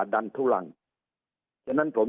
สุดท้ายก็ต้านไม่อยู่